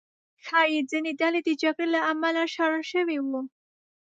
ښایي ځینې ډلې د جګړې له امله شړل شوي وو.